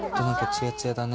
ツヤツヤだね。